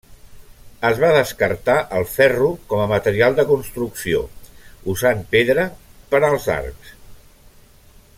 Es va descartar el ferro com a material de construcció usant pedra per als arcs.